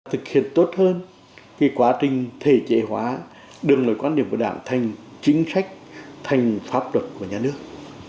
thực hiện tốt hơn quá trình thể chế hóa đường lối quan điểm của đảng thành chính sách thành pháp luật của nhà nước